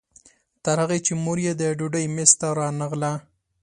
تر هغې چې مور یې د ډوډۍ میز ته رانغله.